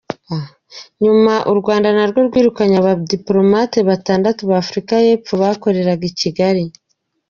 Nyuma u Rwanda narwo rwirukanye abadiplomate batandatu ba Afurika y’Epfo bakoreraga i Kigali.